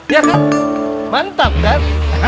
iya kan mantap kan